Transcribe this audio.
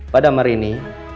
pada hari ini